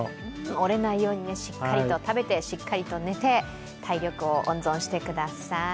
折れないようにしっかりと食べて、しっかりと寝て体力を温存してください。